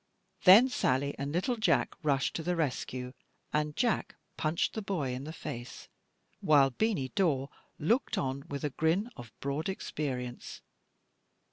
Then Sally and little Jack rushed to the rescue, and Jack punched the boy in the face, while Beany Dawe looked on with a grin of broad experience.